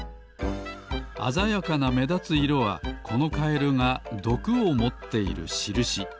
あざやかなめだつ色はこのカエルがどくをもっているしるし。